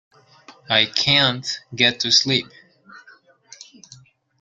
I can't get to sleep.